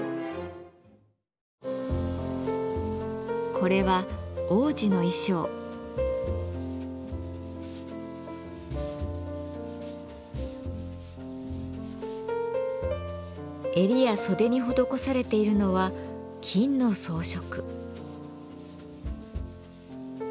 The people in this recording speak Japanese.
これは襟や袖に施されているのは金の装飾。